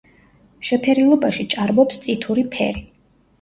შეფერილობაში ჭარბობს წითური ფერი.